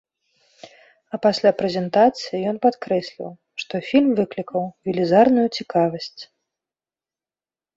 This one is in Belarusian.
А пасля прэзентацыі ён падкрэсліў, што фільм выклікаў велізарную цікавасць.